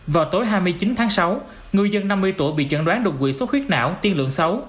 vào tối hai mươi chín tháng sáu ngư dân năm mươi tuổi bị chẩn đoán đột quỵ số khuyết não tiên lượng sáu